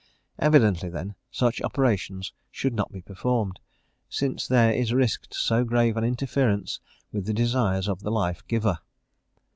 Evidently, then, such operations should not be performed, since there is risked so grave an interference with the desires of the life giver.